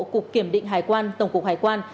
cục kiểm định hải quan tổng cục hải quan